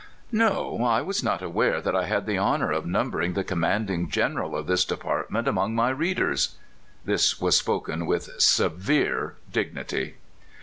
"No; I was not aware that I had the honor of numbering the commanding general of this depart ment among my readers.' 7 (This was spoken with severe dignity.)